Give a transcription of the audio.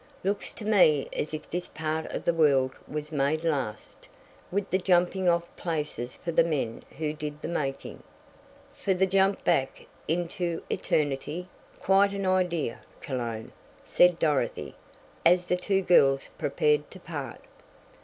Looks to me as if this part of the world was made last, with the jumping off places for the men who did the making." "For the jump back into eternity? Quite an idea, Cologne," said Dorothy, as the two girls prepared to part.